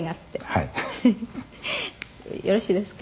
「はい」「フフ」「よろしいですか？」